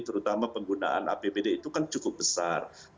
terutama penggunaan apbd itu kan cukup besar